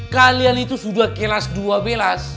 kalian itu sudah kelas dua belas